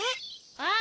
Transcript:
ああ。